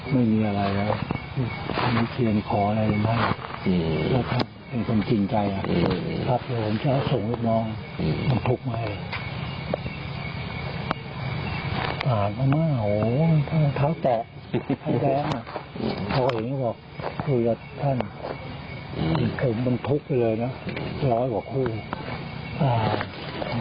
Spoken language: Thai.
ทางเท้าหาเนื้อและก็ชุดนีบใส่และเวาะกับปากทิ้งขึ้น